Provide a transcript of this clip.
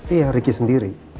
iya ricky sendiri